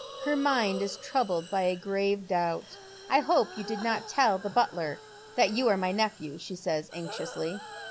Her mind is troubled by a grave doubt. " I hope you did not tell the butler that you are my nephew," she says, anxiously.